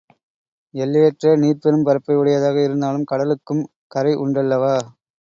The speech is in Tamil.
எல்லையற்ற நீர்ப்பெரும் பரப்பை உடையதாக இருந்தாலும் கடலுக்கும் கரை உண்டல்லவா?